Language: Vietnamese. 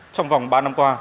trong vòng ba năm qua